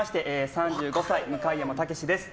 ３５歳、向山毅です。